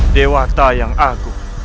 dewa tayang aku